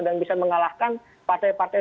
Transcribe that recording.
dan bisa mengalahkan partai partai